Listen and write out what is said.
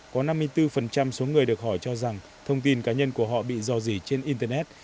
có năm mươi bốn số người được hỏi cho rằng thông tin cá nhân của họ bị dò dỉ trên internet